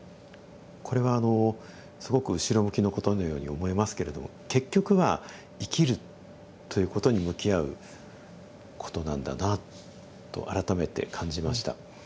これはあのすごく後ろ向きのことのように思えますけれども結局は生きるということに向き合うことなんだなと改めて感じました。